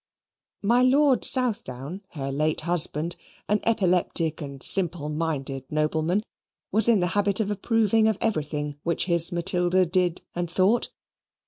My Lord Southdown, her late husband, an epileptic and simple minded nobleman, was in the habit of approving of everything which his Matilda did and thought.